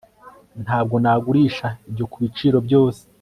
Ntabwo nagurisha ibyo kubiciro byose